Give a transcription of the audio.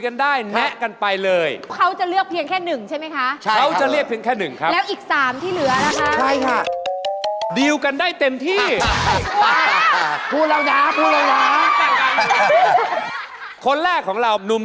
คุณต้๋มครับแนะนำตัวสักนิดนึงครับ